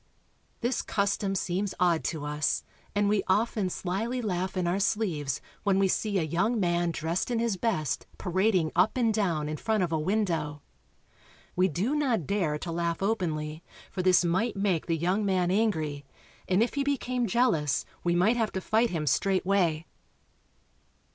This custom seems odd to us, and we often slyly laugh in our sleeves when we see a young man dressed in his best parading up and down in front of a window. We do not dare to laugh openly, for this might make the young 208 URUGUAY. man angry, and if he became jealous we might have to fight him straightway.